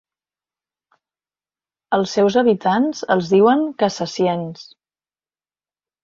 Als seus habitants els diuen "cassassiens".